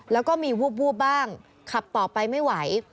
แล้วก็มีวูบบ้างขับต่อไปไม่ไหว